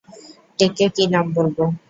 ডেকে কি নাম বলবো?